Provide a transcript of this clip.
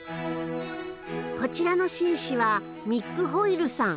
こちらの紳士はミック・ホイルさん。